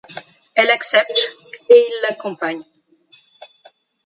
Elle accepte et il l'accompagne.